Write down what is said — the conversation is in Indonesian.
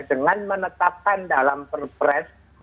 dengan menetapkan dalam perpres